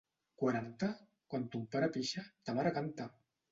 Quaranta? —Quan ton pare pixa, ta mare canta!